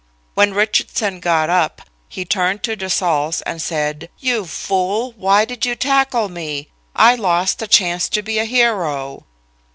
When Richardson got up, he turned to de Saulles and said: "You fool, why did you tackle me? I lost a chance to be a hero."